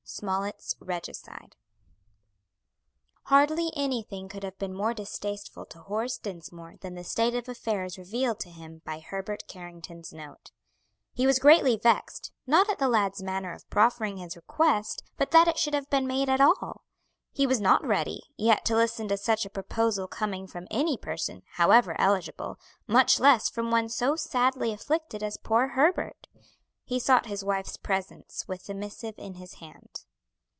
SMOLLETT'S "REGICIDE" Hardly anything could have been more distasteful to Horace Dinsmore than the state of affairs revealed to him by Herbert Carrington's note. He was greatly vexed, not at the lad's manner of preferring his request, but that it should have been made at all. He was not ready, yet to listen to such a proposal coming from any person, however eligible, much less from one so sadly afflicted as poor Herbert. He sought his wife's presence with the missive in his hand.